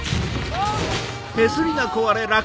あっ！